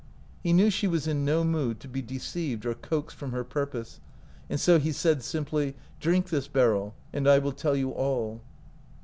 He knew she was in no mood to be deceived or coaxed from her purpose, and so he said simply : "Drink this, Beryl, and I will tell you all."